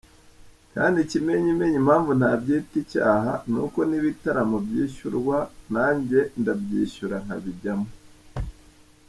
Kandi ikimenyimenyi impamvu ntabyita icyaha n'uko n’ibitaramo byishyurwa nanjye ndabyishyura nkabijyamo.